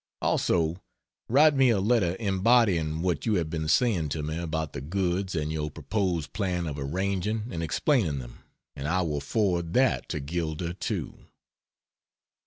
Also write me a letter embodying what you have been saying to me about the goods and your proposed plan of arranging and explaining them, and I will forward that to Gilder too."